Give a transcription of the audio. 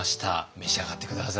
召し上がって下さい。